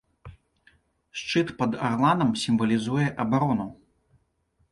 Шчыт пад арланам сімвалізуе абарону.